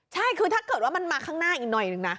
ใช่คือถ้าเกิดว่ามันมาข้างหน้าอีกหน่อยหนึ่งนะ